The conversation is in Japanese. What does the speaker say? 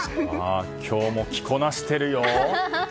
今日も着こなしてるよ！